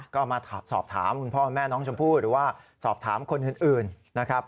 ก็มาสอบถามคุณพ่อแม่น้องชมพู่หรือว่าสอบถามคนอื่นนะครับ